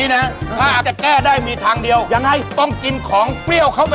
กินผักผลไม้ที่มีรสเปรี้ยวเข้าไป